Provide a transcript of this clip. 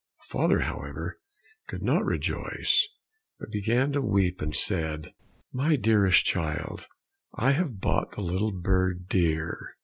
The father, however, could not rejoice, but began to weep, and said, "My dearest child, I have bought the little bird dear.